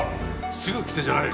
「すぐ来て」じゃない。